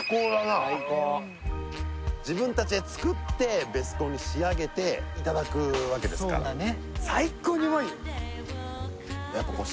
自分たちで作ってベスコンに仕上げていただくわけですからそうだね